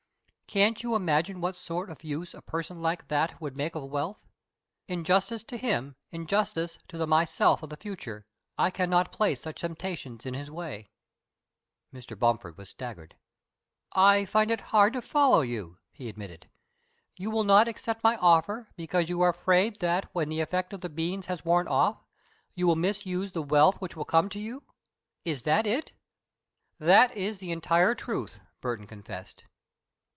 Can't you imagine what sort of use a person like that would make of wealth? In justice to him, in justice to the myself of the future, I cannot place such temptations in his way." Mr. Bomford was staggered. "I find it hard to follow you," he admitted. "You will not accept my offer because you are afraid that when the effect of these beans has worn off, you will misuse the wealth which will come to you is that it?" "That is the entire truth," Burton confessed.